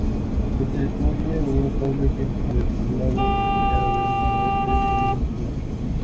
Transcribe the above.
Constituye un notable ejemplo de poblado fortificado del noroeste peninsular.